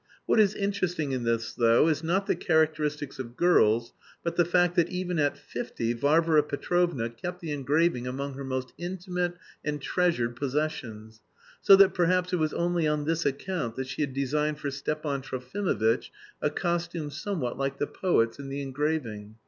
What is interesting in this, though, is not the characteristics of girls but the fact that even at fifty Varvara Petrovna kept the engraving among her most intimate and treasured possessions, so that perhaps it was only on this account that she had designed for Stepan Trofimovitch a costume somewhat like the poet's in the engraving.